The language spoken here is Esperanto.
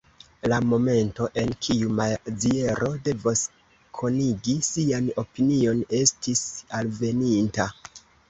La momento, en kiu Maziero devos konigi sian opinion, estis alveninta.